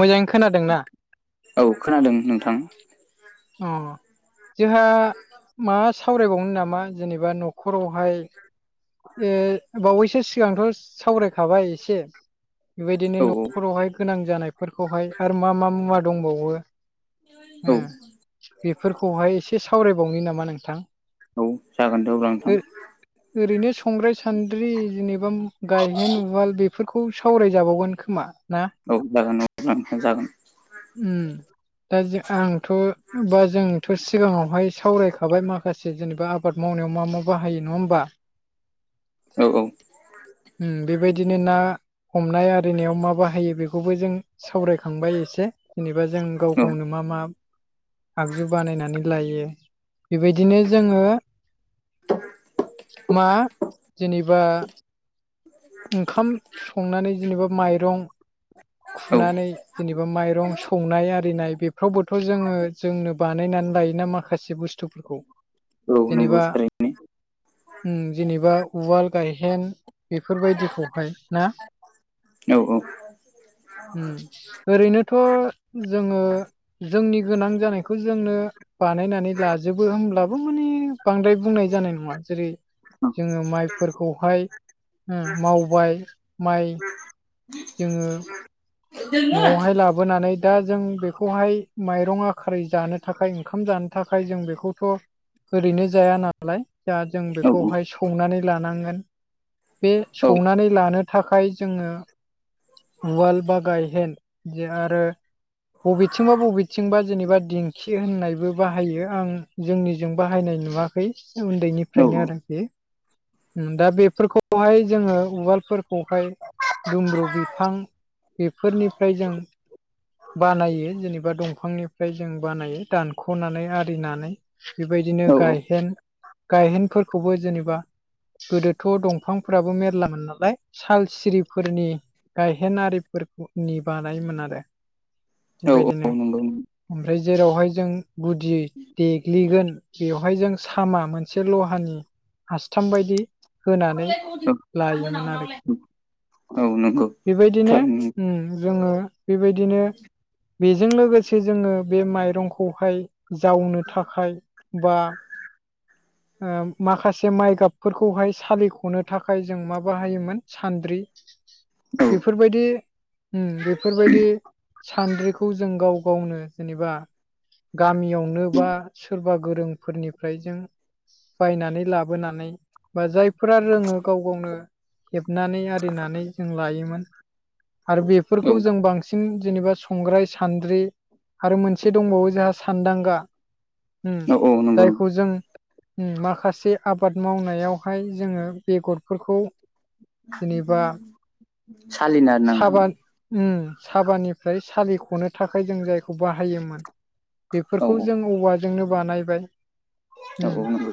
मोजाङै खोनादोंना? औ खोनादों नोंथां। अ जोंहा मा सावरायबावनो नामा जेनेबा न'खरावहाय। ए बावैसो सिगांथ' सावरायखाबाय एसे बेबायदिनो औ न'खरावहाय गोनां जानायफोरखौहाय आरो मा मा मुवा दंबावो औ बेफोरखौहाय एसे सावरायबावनो नामा नोंथां। औ जागोन दे अब्ला नोंथां। ओरैनो संग्राय सान्द्रि जेनेबा गायहेन उवाल बेफोरखौ सावरायजाबावगोन खोमा। ना औ जागोन औ जागोन। दा आंथ' होमबा जोंथ' सिगाङावहाय सावरायखाबाय माखासे जेनेबा आबाद मावनायाव मा मा बाहायो नङा होमबा। [inaudible] औ औ। बेबायदिनो ना हमनाय आरिनायाव मा बाहायो बेखौबो जों सावरायखांबाय एसे जेनेबा जों गाव गावनो औ मा मा। आगजु बानायनानै लायो। बेबायदिनो जोङो मा जेनेबा। ओंखाम संनानै जेनेबा माइरं। खुनानै औ जेनेबा माइरं सौनाय आरिनाय बे फावबोथ' जोङो जोंनो बानायनानै लायोना माखासे बुस्थुफोरखौ। औ नंगौ जेनेबा थारैनो जेनेबा उवाल गायहेन। बेफोरबायदिखौहाय ना औ औ। उम ओरैनोथ' जोङो जोंनि गोनां जानायखौ जोंनो। बानायनानै लाजोबो हब्लाबो माने बांद्राय बुंनाय जानाय नङा जेरै जोङो माइफोरखौहाय मावबाय माइ जोङो न'आवहाय लाबो। ह बोनानै दा जों बेखौहाय माइरं आ खारै जानो थाखाय ओंखाम जानो थाखाय जों बेखौथ'। ओरैनो जाया नालाय दा जों औ बेखौहाय संनानै लानांगोन बे औ सौनानै लानो थाखाय जोङो। उवाल बा गायहेन जे आरो। बबेथिंबा बबेथिंबा जेनेबा दिंखि होननायबो बाहायो आं। जोंनिजों बाहायनाय नुवाखै उन्दैनिफ्रायनो आरोखि दा बेफोरखौहाय जोङो उवालफोरखौहाय दुमब्रु बि बिफां बेफोरनिफ्राय जों बानायो जेनेबा दंफांनिफ्राय जों बानायो दानख'नानै आरिनानै। बेबायदिनो गायहेन गायहेनफोरखौबो जेनेबा गोदोथ' दंफांफोराबो मेरलामोन नालाय साल सिरिफोरनि। गायहेनिफोरखौ नि बानायोमोन आरो औ औ बेबायदिनो। नंगौ ओमफ्राय जेरावहाय जों गुदि देग्लिगोन बेवहाय जों सामा मोनसे लाहानि हासथाम बायदि होनानै लायोमोन आरोखि औ औ नंगौ बेबायदिनो थारैनो औ जोङो बेबायदिनो बेजों लोगोसे जोङो बे माइरंखौहाय जावनो थाखाय बा ओ माखासे माइ गाबफोरखौहाय सालिख'नो थाखाय जों मा बाहायोमोन सान्द्रि औ बेफोरबायदि बेफोरबायदि सान्द्रिखौ जों गाव गावनो जेनेबा गामियावनो बा सोरबा गोरोंफोरनिफ्राय जों बायनानै लाबोनानै बा जायफोरा रोङो गाव गावनो हेबनानै आरिनानै जों लायोमोन। आरो बेफोरखौ जों बांसिन जेनेबा संग्राय सान्द्रि आरो मोनसे दंबावो जोंहा सानदांगा औ नंगौ जायखौ जों माखासे आबाद मावनायावहाय जोङो बेगरफोरखौ जेनेबा सालिना साबान उम साबानिफ्राय सालिख'नो थाखाय जों जायखौ बाहायोमोन। औ बेफोरखौ जों औवाजोंनो बानायबाय औ उम औ नंगौ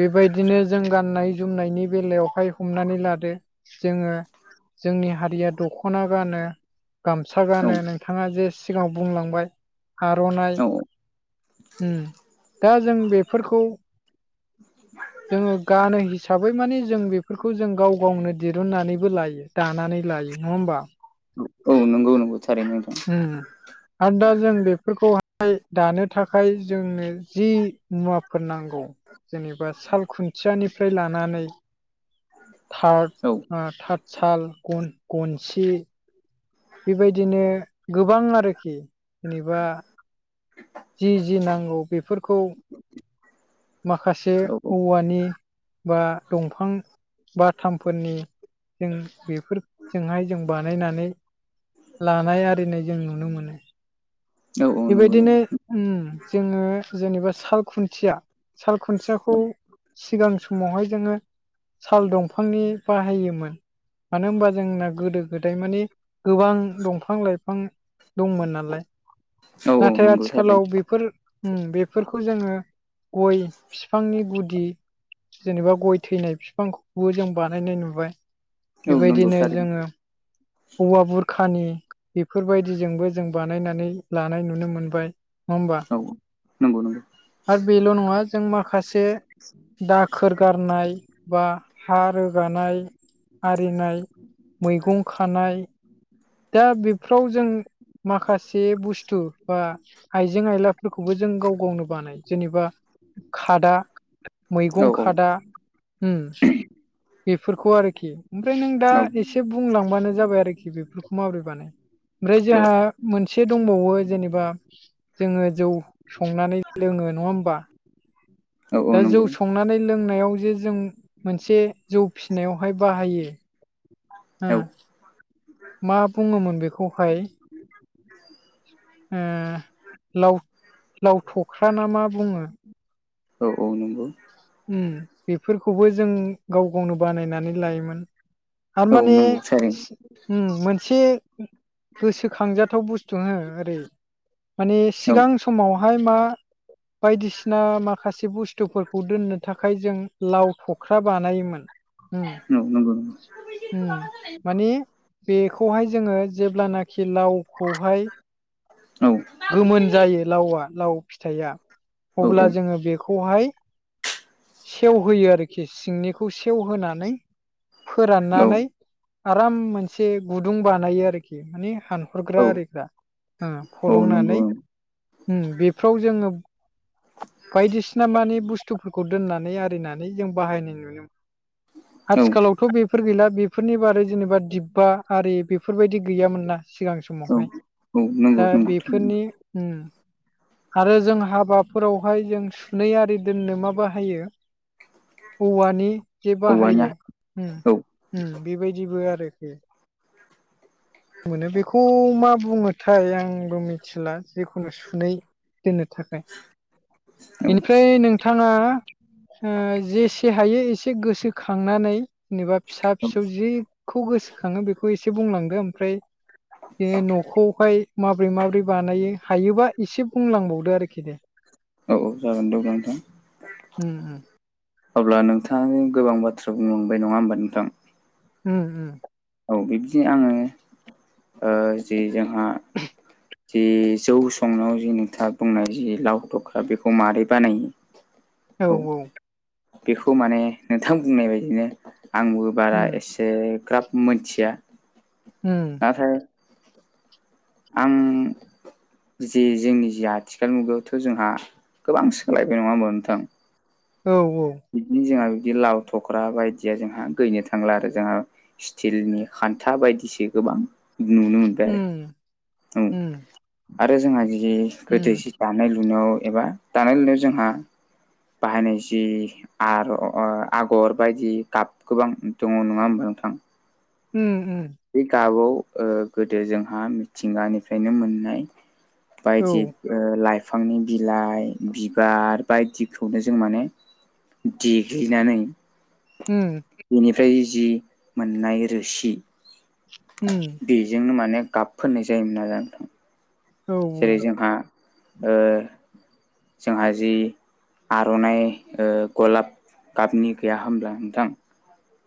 बेबायदिनो जों गाननाय जोमनायनि बेलायावहाय हमनानै लादो जोङो जोंनि हारिया दख'ना गानो गामसा औ गानो नोंथाङा जे सिगाङाव बुंलांबाय आर'नाइ औ दा जों बेफोरखौ जोङो गानो हिसाबै माने जों बेफोरखौ जों गाव गावनो दिरुननानैबो लायो। दानानै लायो नङा होमबा औ नंगौ नोंथां थारैनो। उम हम आरो दा जों बेफोरखौहाय दानो थाखाय जोंनो जि मुवाफोर नांगौ। जेनेबा साल खुन्थियानिफ्राय लानानै थार औ ओ थारत साल गन-गनसि बेबायदिनो गोबां आरोखि जेनेबा जि जि नांगौ बेफोरखौ माखासे औ औवानि बा दंफां बाथामफोरनि जों बेफोरजोंहाय जों बानायनानै लानाय आरिनाय जों नुनो मोनो। औ नंगौ बेबायदिनो नंगौ उम जोङो जेनेबा साल खुन्थिया साल खुन्थियाखौ सिगां समावहाय जोङो साल दंफांनि बाहायोमोन। मानो होनबा जोंना गोदो गोदाय मानि गोबां दंफां लाइफां दंमोन नालाय औ औ नाथाय नंगौ आथिखालाव थारैनो बेफोर उम बेफोरखौ जोङो गय बिफांनि गुदि जेनेबा गय थैनाय बिफांखौबो जों बानायनाय नुबाय औ नंगौ बेबायदिनो थारैनो जोङो औवा बुरखानि बेफोरबायदिजोंबो जों बानायनानै लानाय नुनो मोनबाय नङा होमबा? औ नंगौ नंगौ आरो बेल' नङा जों माखासे दाखोर गारनाय बा हा रोगानाय आरिनाय मैगं खानाय दा बेफोराव जों माखासे बुस्थु बा आइजें आइलाफोरखौबो जों गाव गावनो बानायो जेनेबा खादा औ मैगं औ खादा उम बेफोरखौ आरोखि ओमफ्राय नों दा औ एसे बुंलांबानो जाबाय आरोखि बेफोरखौ माबोरै बानाय ओमफ्राय औ जोंहा मोनसे दंबावो जेनेबा जोङो जौ संनानै लोङो नङा होमबा? औ औ दा जौ नंगौ संनानै लोंनायाव जे जों मोनसे जौ फिसिनायावहाय बाहायो औ ओम मा बुङोमोन बेखौहाय? ओ लाव- लावथख्रा ना मा बुङो? औ औ नंगौ उ बेफोरखौबो जों गाव गावनो बानायनानै लायोमोन। औ आरोमाने नंगौ सारै उ मोनसे गोसोखांजाथाव बुस्थु हो ओरै माने औ सिगां समावहाय मा बायदिसिना माखासे बुस्थुफोर खौ दोननो थाखाय जों लाव थख्रा बानायोमोन उम औ नंगौ हम माने बेखौहाय जोङो जेब्लानाखि लावखौहाय औ गोमोन जायो लावआ लाव फिथाइया औ अब्ला जोङो बेखौहाय सेवहोयो आरोखि सिंनिखौ सेवहोनानै औ फोराननानै आराम मोनसे गुदुं बानायो आरोखि माने औ हानहरग्रा आरिग्रा। उम औ नंगौ फलंनानै बेफ्राव जोङो बायदिसिना मानिे बुस्थुफोरखौ दोननानै आरिनानै जों बाहायनाय नुनो औ आथिखालावथ' बेफोर गैला बेफोरनि बारै जेनेबा दिब्बा आरि बेफोरबायदि गैयामोन नना सिगां समाव। औ नंगौ दा नंगौ बेफोरनि उम आरो जों हाबाफोराव बेहाय जों सुनै आरि दोननो मा बाहायो? औवानि जे औवाना बाहायो उम औ उम बेबायदिबो आरोखि। मोनो बेखौ मा बुङोथाय आंबो मिथिला जिखुनु सुनै दोननो थाखाय औ बेनिफ्राय नोंथाङा ओ जेसे हायो एसे गोसो खांनानै जेनेबा फिसा फिसौ जिखौ गोसोखाङो बेखौ एसे बुंलांदो ओमफ्राय बे न'खौहाय माब्रै माबोरै बानायो हायोबा एसे बुंलांबावदो आरोखि दे। औ औ जागोन दे नोंथां। उम उम उम अब्ला नोंथाङनि गोबां बाथ्रा बुंलांबाय नङा होमबा नोंथां? उम उम औ बिबदि आङो ओ जिे जोंहा जि जौ संनायाव जिे नोंथाङा बुंनाय जि लाव दख्रा बेखौ माबोरै बानायो? औ औ बेखौ माने नोंथां बुंनाय बायदिनो आंबो बारा उम एसेग्राब मोनथिया। उम नाथाय आं जे जोंनि जिे आथिखाल मुगायावथ' जोंहा गोबां सोलायबाय नङा होनोमाव नोंथां? औ औ बिदिनो जोंहा बिदि लाव थख्रा बायदिया जोंहा गैनो थांला आरो जोंहा स्टिलनि खान्था बायदिसो गोबां नुनो मोनबाय उम आरो औ उम आरो जोंहा जुदि गोदो उम जि दानाय लुनायाव एबा दानाय लुनायाव जोंहा बाहायनाय जि आरो आगर बायदि गाब गोबां दङ नङा होमबा नोंथां? उम उम बे गाबाव ओ गोदो जोंहा मिथिंगानिफ्रायनो मोननाय औ बायदि लाइफांनि बिलाइ बिबार बायदिखौनो जों माने देग्लिनानै हम बेनिफ्राय जि मोननाय रोसि हम बेजोंनो माने गाब फनाय जायोमोन आरोना नोंथां। औ जेरै जोंहा जोंहा जि आर'नाइ ओ गलाब गाबनि गैया होनब्ला नोंथां?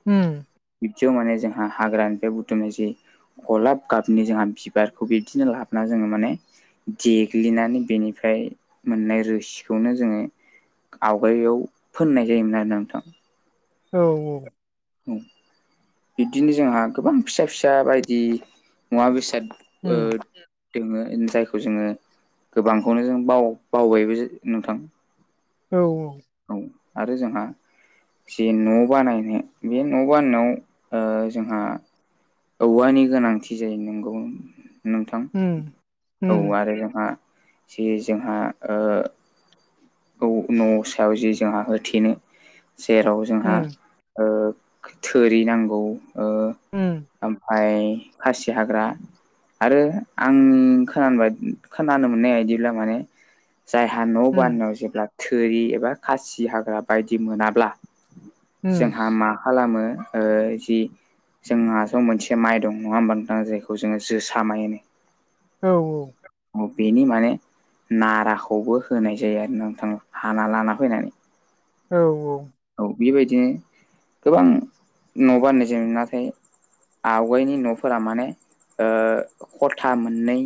हम बिब्दियाव माने जोंहा हाग्रानिफ्राय बुथुमनाय जि गलाब गाबनि जोंहा बिबारखौ बिदिनो लाबोनानै जोङो माने देग्लिनानै बेनिफ्राय मोननाय रोसिखौनो जोङो आवगाययाव फोननाय जायोमोन आरो नोंथां। औ औ औ बिब्दिनो जोंहा गोबां फिसा फिसा बायदि मुवा बेसाद ओ उम दोङो जायखौ जोङो गोबांखौनो जों बाव बावबायबो नोंथां। औ औ औ आरो जोंहा जे न' बानायनो बे न' बानायनायाव ओ जोंहा औवानि गोनांथि जायो नंगौ। नोंथां उम औ उम आरो जोंहा जे जोंहा ओ औ न'सो ायाव जि जोंहा होथेनो जेराव जोंहा उम ओ थोरि नांगौ। उम ओमफ्राय खासि हाग्रा आरो आंनि खोन खोनानो मोननाय बदिब्ला माने जायहा न' उम बानायाव जेब्ला थोरि एबा खासि हाग्रा बायदि मोनाब्ला उम जोंहा मा खालामो ओ जि जोंहास' मोनसे माइ दं नङा होमबा नोंथां जायखौ जोङो जोसा माय होनो। औ औ बेनि माने नाराखौबो होनाय जायो आरो नोंथां हाना लाना फैनानै। औ औ औ बेबायदिनो गोबां न' बानोनाय जो नाथाय आवगायनि न'फोरा माने ओ खथा मोननै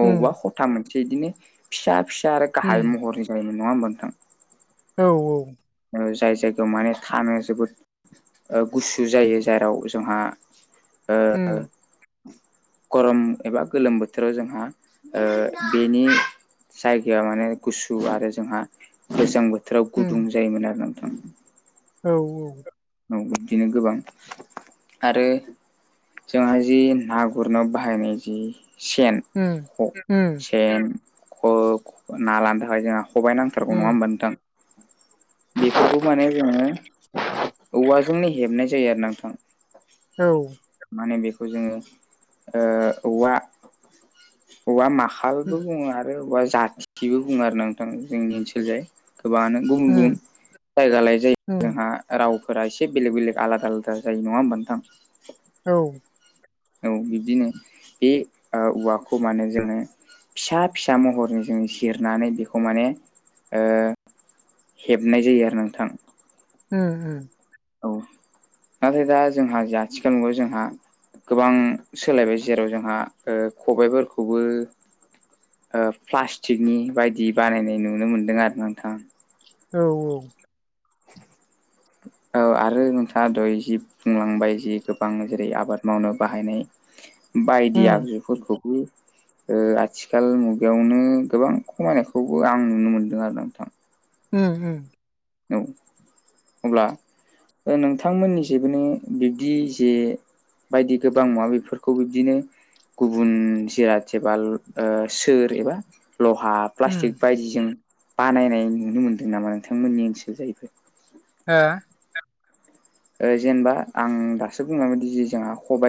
अबावबा उम हथा मोनसे बिदिनो फिसा फिसा आरो गाहाय उम महर जायोमोन नङा होमबा नोंथां? औ औ जाय जायगायाव माने थानो जोबोद गुसु जायो जेराव जोंहा ओ उम गरम एबा गोलोम बोथोराव जोंहा ओ बेनि जायगाया माने गुसु आरो जोंहा गोजां बोथोराव गुदुं उम जायोमोन आरो नोंथां। औ औ औ बिबदिनो गोबां आरो जोंहा जि ना गुरनो बाहायनाय जि सेन उम उम सेन ना लानो थाखाय जोंहा हबायनां उम थारगौ औ नङा होमबा नोंथां बेफोरखौ माने जोङो औवाजोंनो हेबनाय जायो आरो नोंथां‌। औ ार माने बेखौ जोङो ओ औवा बबावबा उम माखालबो बुङो आरो बबावबा जाथि बेबो बुङो आरो नोंथां जोंनि ओनसोल जाय गोबाङानो गुबुन उम औ उम गुबुन जायगा लायै जायगा उम जोंहा रावफोरा एसे बेलेग बेलेग आलादा आलादा जायो नङा होमबा नोंथां? औ औ बिब्दिनो बे ओ औवाखौ मानोे जोङो फिसा फिसा महरजों जों सिरनानै बेखौ माने ओ हेबनाय जायो आरो नोंथां। उम उम औ नाथाय दा जोंहा जा आथिखालाव नंगौ जोंहा गोबां सोलायबाय जेराव जोंहा ओ खबाइ फोरखौबो ओ प्लास्टिकनि बायदि बानायनाय नुनो मोनदों आरो नोंथां। औ औ औ आरो नोंथाङा दहय जि बुंलांबाय जि गोबां जेरै आबाद मावनो बाहायनाय बायदि आखुफोरखौ आथिखाल मुगायावनो गोबां खमायनायखौबो आं नुनो मोनदों आरो नोंथां। उम औ अब्ला ओ नोंथांमोननि जेबोनो बिब्दि जे बायदि गोबां मुवा बेफोरखौ बिब्दिनो गुबुन जिराद जेबा सोर एबा लहा प्लास्टिक बायदिजों बानायनाय नुनो मोनदों नामा नोंथांमोननि ओनसोल जाहैबाय ओ ओ जेनेबा आं दासो बुंलांबायदि जि जोंहा खबाइ